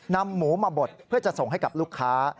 นำหมูมาบดเพื่อจะส่งให้กับลูกค้า